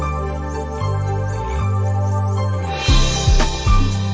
ตัวฝังหรืออะไรครับ